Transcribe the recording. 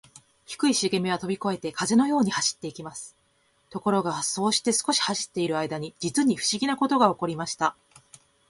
低いしげみはとびこえて、風のように走っていきます。ところが、そうして少し走っているあいだに、じつにふしぎなことがおこりました。